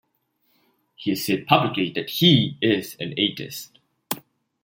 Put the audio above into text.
He has said publicly that he is an atheist.